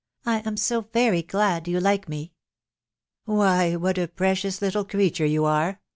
" I am so very glad you like me !" Why, what a precious little creature you are